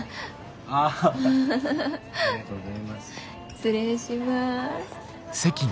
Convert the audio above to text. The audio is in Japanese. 失礼します。